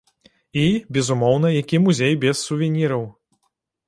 І, безумоўна, які музей без сувеніраў?